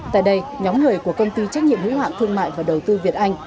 tại đây nhóm người của công ty trách nhiệm hữu hạn thương mại và đầu tư việt anh